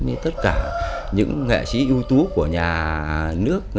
như tất cả những nghệ sĩ ưu tú của nhà nước